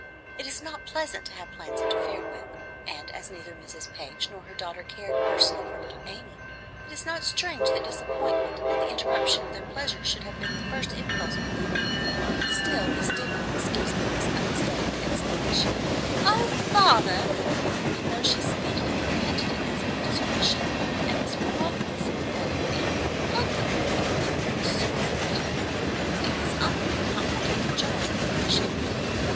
It is not pleasant to have plans interfered with; and as neither Mrs. Page nor her daughter cared personally for little Amy, it is not strange that disappointment at the interruption of their pleasure should have been the first impulse with them. Still, this did not excuse Lilly's unstudied exclamation of "Oh, bother!" and though she speedily repented it as an indiscretion, and was properly sympathetic, and "hoped the poor little thing would soon be better," Amy's uncle could not forget the jarring impression.